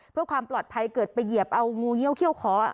เพื่อความปลอดภัยเกิดไปเหยียบเอางูเยี่ยวเขี้ยวขอ